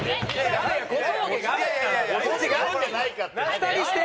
２人して？